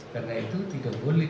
karena itu tidak boleh